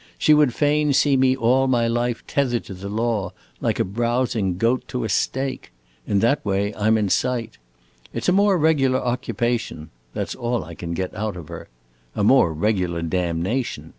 She would fain see me all my life tethered to the law, like a browsing goat to a stake. In that way I 'm in sight. 'It 's a more regular occupation!' that 's all I can get out of her. A more regular damnation!